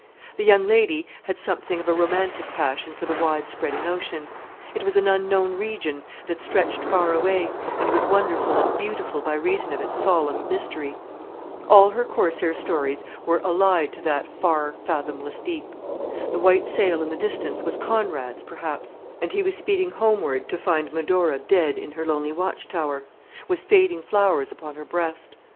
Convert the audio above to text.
The young lady had something of a romantic passion for the wide spreading ocean. It was an unknown region, that stretched far away, and was wonderful and beautiful by reason of its solemn mystery. All her Corsair stories were allied to that far, fathomless deep. The white sail in the distance was Conrad's, perhaps; and he was speeding homeward to find Medora dead in her lonely watch tower, with fading flowers upon her breast.